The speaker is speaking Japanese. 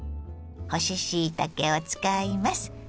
干ししいたけを使います。